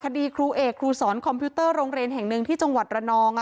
คดีครูเอกครูสอนคอมพิวเตอร์โรงเรียนแห่งหนึ่งที่จังหวัดระนอง